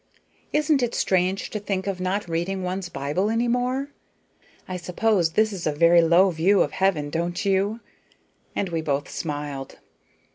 Isn't it strange to think of not reading one's Bible any more? I suppose this is a very low view of heaven, don't you?" And we both smiled.